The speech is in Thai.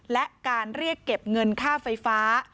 และการเรียกเก็บเงินค่าไฟฟ้า